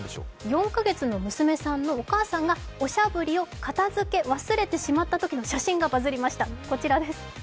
４か月の娘さんのお母さんがおしゃぶりを片づけ忘れてしまったときの写真がバズリました。